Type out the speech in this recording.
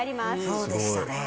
そうでしたね。